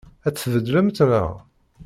Ad t-tbeddlemt, naɣ?